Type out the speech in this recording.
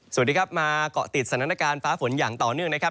สวัสดีครับมาเกาะติดสถานการณ์ฟ้าฝนอย่างต่อเนื่องนะครับ